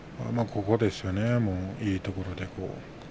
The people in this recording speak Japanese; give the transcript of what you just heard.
ここですね、いいところで。